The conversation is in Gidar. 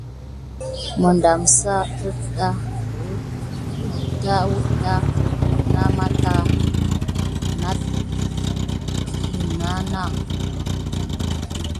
Məndamsa keda wuda nameta nat widinaka.